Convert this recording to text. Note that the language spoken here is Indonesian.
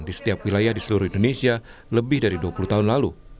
di setiap wilayah di seluruh indonesia lebih dari dua puluh tahun lalu